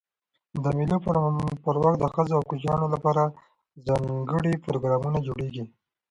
د مېلو پر وخت د ښځو او کوچنيانو له پاره ځانګړي پروګرامونه جوړېږي.